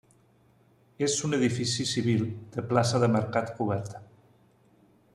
És un edifici civil de plaça de mercat coberta.